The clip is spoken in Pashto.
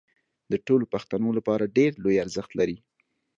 د ټولو پښتنو لپاره ډېر لوی ارزښت لري